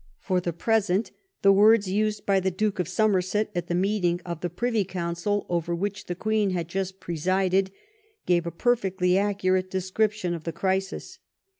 For the present the words used by the Duke of Somerset at that meeting of the Privy Council over which the Queen had just presided gave a perfectly accurate description of the crisis.